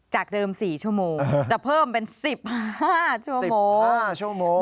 จากเดิม๔ชั่วโมงจะเพิ่มเป็น๑๕ชั่วโมง